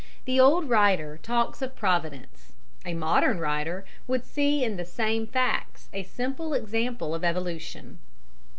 The old writer talks of providence; a modern writer would see in the same facts a simple example of evolution.